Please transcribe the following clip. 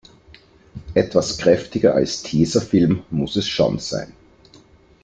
Etwas kräftiger als Tesafilm muss es schon sein.